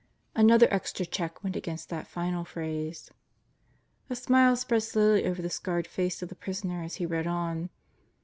Another extra check went against that final phrase. A smile spread slowly over the scarred face of the prisoner as he read on.